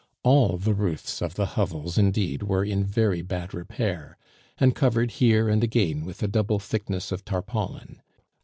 All the roofs of the hovels indeed were in very bad repair, and covered here and again with a double thickness of tarpaulin.